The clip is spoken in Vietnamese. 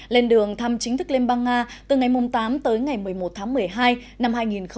lên đường thăm chính thức liên bang nga từ ngày tám tới ngày một mươi một tháng một mươi hai năm hai nghìn một mươi chín